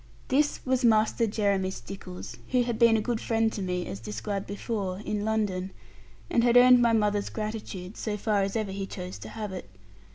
This was Master Jeremy Stickles, who had been a good friend to me (as described before) in London, and had earned my mother's gratitude, so far as ever he chose to have it.